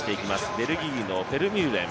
ベルギーのフェルミューレン。